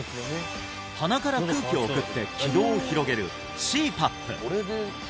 鼻から空気を送って気道を広げるＣＰＡＰ